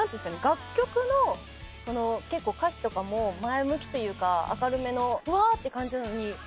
楽曲の結構歌詞とかも前向きというか明るめのうわあ！って感じなのに。